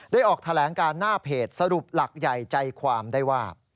ออกแถลงการหน้าเพจสรุปหลักใหญ่ใจความได้ว่า